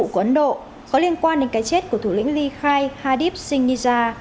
các đặc vụ của ấn độ có liên quan đến cái chết của thủ lĩnh lee khai hadip singh nizha